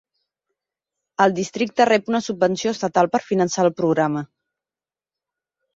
El districte rep una subvenció estatal per finançar el programa.